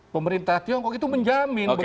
pemerintah tiongkok itu menjamin